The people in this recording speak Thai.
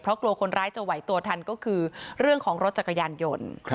เพราะกลัวคนร้ายจะไหวตัวทันก็คือเรื่องของรถจักรยานยนต์